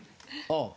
ああ。